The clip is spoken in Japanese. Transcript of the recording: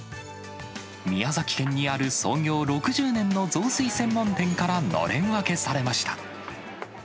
宮崎県にある創業６０年の雑炊専門店からのれん分けされました。